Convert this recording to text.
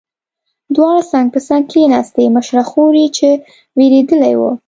دواړې څنګ په څنګ کېناستې، مشره خور یې چې وېرېدلې وه.